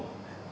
nhóm tổ chức